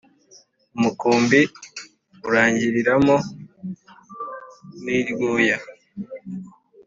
umukumbi urangiriramo n'iryoya.